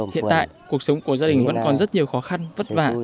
hiện tại cuộc sống của gia đình vẫn còn rất nhiều khó khăn vất vả